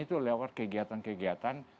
itu lewat kegiatan kegiatan